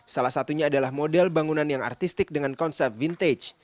salah satunya adalah model bangunan yang artistik dengan konsep vintage